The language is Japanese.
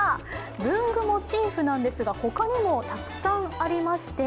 文具モチーフなんですが他にもたくさんありまして。